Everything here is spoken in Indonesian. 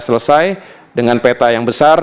selesai dengan peta yang besar